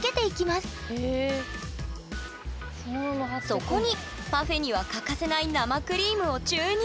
そこにパフェには欠かせない生クリームを注入！